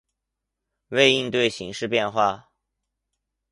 为应对形势变化